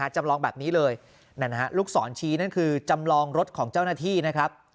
จำลองแบบนี้เลยลูกศรชี้นั่นคือจำลองรถของเจ้าหน้าที่นะครับ